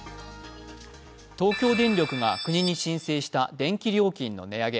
東京電力が国に申請した電気料金の値上げ。